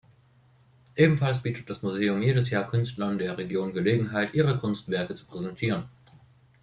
Ebenfalls bietet das Museum jedes Jahr Künstlern der Region Gelegenheit, ihre Kunstwerke zu präsentieren.